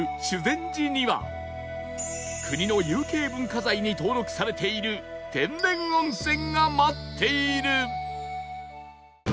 修善寺には国の有形文化財に登録されている天然温泉が待っている